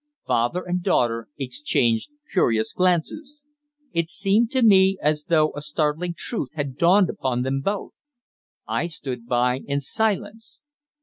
Father and daughter exchanged curious glances. It seemed to me as though a startling truth had dawned upon them both. I stood by in silence.